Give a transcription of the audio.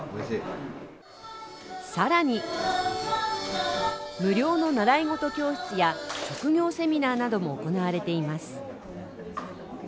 更に無料の習い事教室や職業セミナーなども行われています。